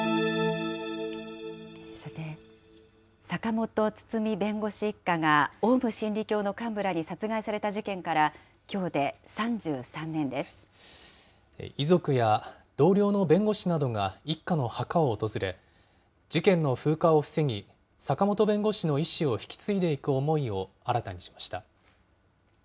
さて、坂本堤弁護士一家がオウム真理教の幹部らに殺害された事件から、遺族や同僚の弁護士などが一家の墓を訪れ、事件の風化を防ぎ、坂本弁護士の遺志を引き継いでいく思いを新たにしました。